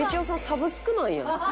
サブスクなんや」